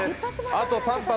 あと３発。